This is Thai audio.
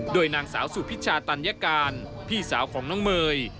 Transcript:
โดยนางสาวสุพิชาตัญญาการพี่สาวของน้องเมย์